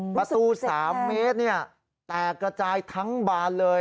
ประตู๓เมตรแตกกระจายทั้งบานเลย